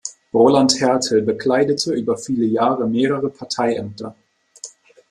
Roland Härtel bekleidete über viele Jahre mehrere Parteiämter.